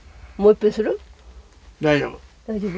大丈夫。